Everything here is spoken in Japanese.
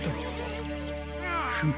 フム。